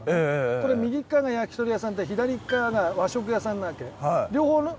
これ右側が焼き鳥屋さんで左側が和食屋さんなわけ。